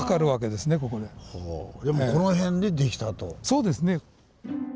そうですね。